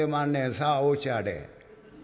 さあおっしゃれ」。